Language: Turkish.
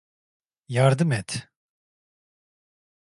Yardım et!